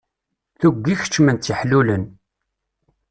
Tuggi kecmen-tt iḥlulen.